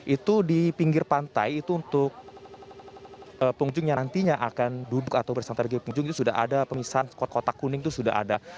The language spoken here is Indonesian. itu di pinggir pantai itu untuk pengunjung yang nantinya akan duduk atau bersantara di penghujung itu sudah ada pemisahan kotak kuning itu sudah ada